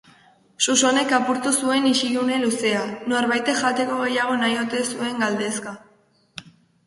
Susanek apurtu zuen isilune luzea, norbaitek jateko gehiago nahi ote zuen galdezka.